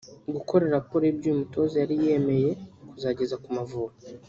gukora raporo y’ibyo uyu mutoza yari yemeye kuzageza ku Mavubi